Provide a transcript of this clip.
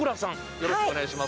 よろしくお願いします。